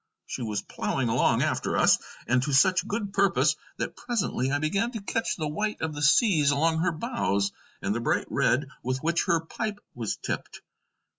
She was ploughing along after us, and to such good purpose that presently I began to catch the white of the seas along her bows, and the bright red with which her pipe was tipped.